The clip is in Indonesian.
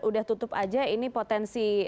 udah tutup aja ini potensi